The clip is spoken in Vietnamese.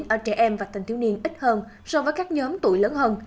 ở trẻ em và thanh thiếu niên ít hơn so với các nhóm tuổi lớn hơn